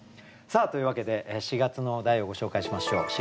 さあというわけで４月の題をご紹介しましょう。